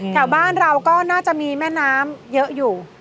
แถวบ้านเราก็น่าจะมีแม่น้ำเยอะอยู่